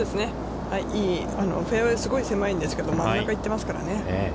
いいフェアウェイ、すごい狭いですが真ん中、行ってますからね。